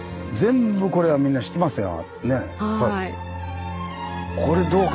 はい。